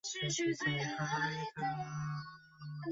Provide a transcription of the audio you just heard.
黄雷基的风格将先锋派与广西民歌的传统结合起来。